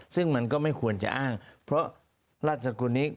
ซึ่งมันก็ไม่ควรจะอ้างเพราะราชกุลนี้